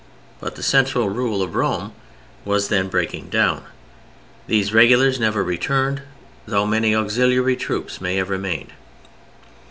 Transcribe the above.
But the central rule of Rome was then breaking down: these regulars never returned—though many auxiliary troops may have remained.